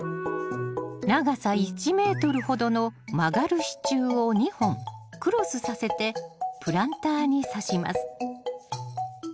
長さ１ｍほどの曲がる支柱を２本クロスさせてプランターにさします。